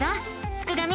すくがミ